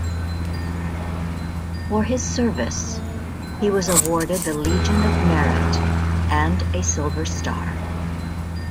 For his service, he was awarded the Legion of Merit and a Silver Star.